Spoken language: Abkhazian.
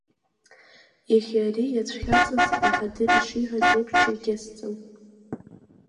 Иахьа ари иацәхьаҵыз, Баҳадыр ишиҳәаз еиԥш, дчерқьесӡам.